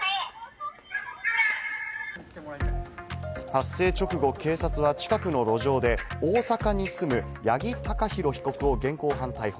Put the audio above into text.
発生直後、警察は近くの路上で大阪に住む八木貴寛被告を現行犯逮捕。